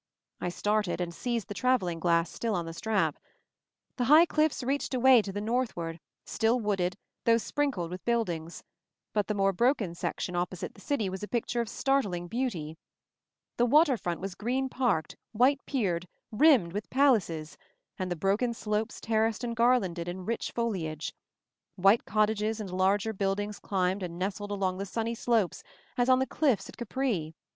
I started, and seized the traveling glass still on the strap. The high cliffs reached away to the north ward, still wooded, though sprinkled with buildings; but the more broken section op* posite the city was a picture of startling beauty. The water front was green parked, white piered, rimmed with palaces, and the broken slopes terraced and garlanded in rich fol iage. White cottages and larger buildings climbed and nestled along the sunny slopes as on the cliffs at Capri.